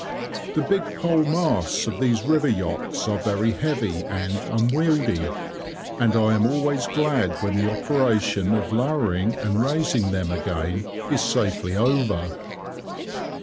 The big pole masts of these river yachts are very heavy and unwieldy, and I am always glad when the operation of lowering and raising them again is safely over.